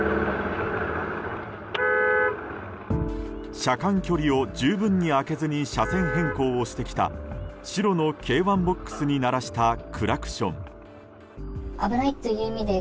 車間距離を十分に開けずに車線変更をしてきた白の軽ワンボックスに鳴らしたクラクション。